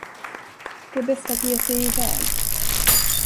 Det är bäst att ge sig i väg!